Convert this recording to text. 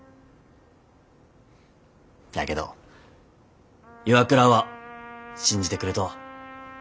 だけど岩倉は信じてくれとう。